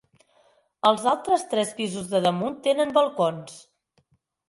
Els altres tres pisos de damunt tenen balcons.